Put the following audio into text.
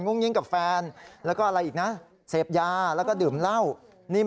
น้องพลาดออกมาแต่ความพลิกพลาดเลยแล้วไง